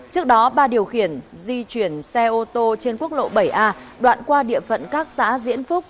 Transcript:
trước đó ba điều khiển di chuyển xe ô tô trên quốc lộ bảy a đoạn qua địa phận các xã diễn phúc